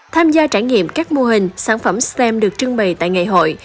tham gia trải nghiệm các mô hình sản phẩm stem được trưng bày tại ngày hội